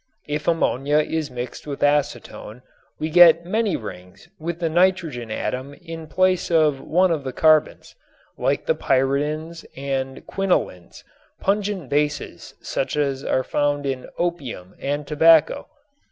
If ammonia is mixed with acetylene we may get rings with the nitrogen atom in place of one of the carbons, like the pyridins and quinolins, pungent bases such as are found in opium and tobacco.